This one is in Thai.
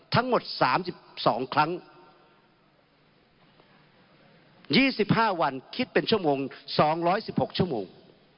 ทั้งหมดสามสิบสองครั้งยี่สิบห้าวันคิดเป็นชั่วโมงสองร้อยสิบหกชั่วโมง